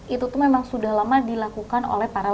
itu memang sudah lama dilakukan oleh pemerintah